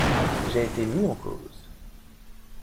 J’ai été mis en cause.